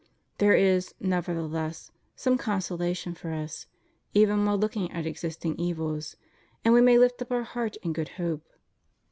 There is, nevertheless, some consolation for us, even while looking at existing evils, and we may Uft up our heart in good hope.